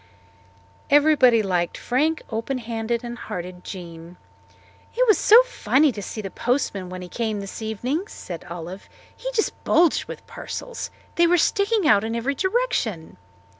Everybody liked frank, open handed and hearted Jean. "It was so funny to see the postman when he came this evening," said Olive. "He just bulged with parcels. They were sticking out in every direction."